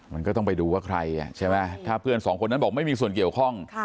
มันก็ต้องไปดูว่าใครใช่ไหมถ้าเพื่อนสองคนนั้นบอกไม่มีส่วนเกี่ยวข้อง